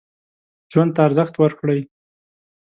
ژوند ته ارزښت ورکړئ.